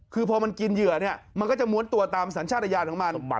คือพอมันกินเหยื่อเนี่ยมันก็จะม้วนตัวตามสัญชาติยานของมัน